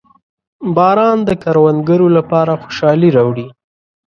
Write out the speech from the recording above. • باران د کروندګرو لپاره خوشحالي راوړي.